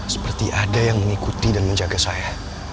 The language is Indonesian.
seperti ada yang mengikuti dan menjaga saya